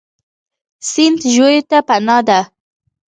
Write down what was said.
سیند ژویو ته پناه ده.